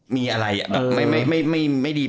มีอะไรอะไม่ดี